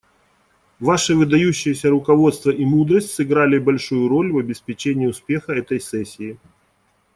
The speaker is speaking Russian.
Ваше выдающееся руководство и мудрость сыграли большую роль в обеспечении успеха этой сессии.